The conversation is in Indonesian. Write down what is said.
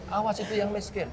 awas itu yang miskin